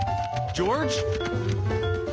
ジョージ！